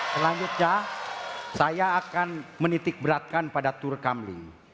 selanjutnya saya akan menitik beratkan pada tur kamling